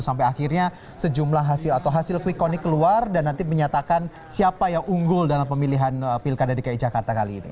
sampai akhirnya sejumlah hasil atau hasil quick countnya keluar dan nanti menyatakan siapa yang unggul dalam pemilihan pilkada dki jakarta kali ini